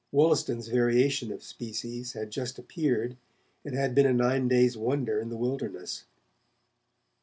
Wollaston's 'Variation of Species' had just appeared, and had been a nine days' wonder in the wilderness.